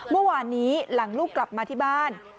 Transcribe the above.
เมื่อวานนี้หลังลูกกลับมาที่บ้าน